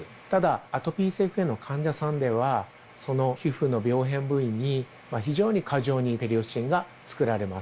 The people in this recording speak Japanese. アトピー性皮膚炎の患者さんでは、その皮膚の病変部位に非常に過剰にペリオスチンが作られます。